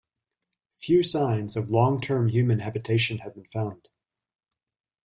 Few signs of long-term human habitation have been found.